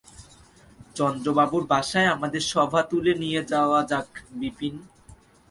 চন্দ্রবাবুর বাসায় আমাদের সভা তুলে নিয়ে যাওয়া যাক– বিপিন।